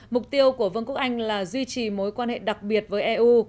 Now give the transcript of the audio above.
mục tiêu của vương quốc anh là duy trì mối quan hệ đặc biệt với eu